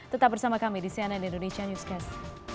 tetap bersama kami di cnn indonesia newscast